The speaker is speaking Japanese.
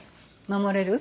守れる？